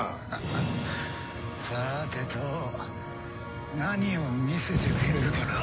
ハハさてと何を見せてくれるかな。